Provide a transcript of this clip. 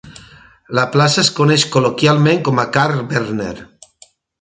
La plaça es coneix col·loquialment com a "Carl Berner".